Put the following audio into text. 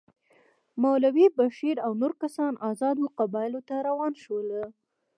مولوي بشیر او نور کسان آزادو قبایلو ته روان شول.